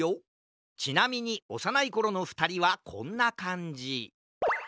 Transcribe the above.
ちなみにおさないころのふたりはこんなかんじ。